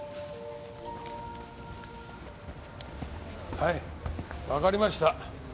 はいわかりました。